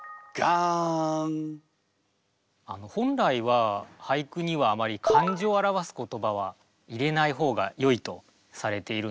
あの本来は俳句にはあまり感情を表す言葉は入れない方がよいとされているんです。